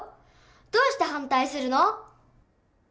どうして反対するの？